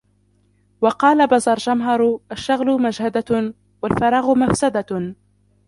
وَقَالَ بَزَرْجَمْهَر الشَّغْلُ مَجْهَدَةٌ وَالْفَرَاغُ مَفْسَدَةٌ